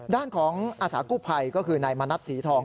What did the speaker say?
ด้านของอาสากู้ภัยก็คือนายมณัฐศรีทอง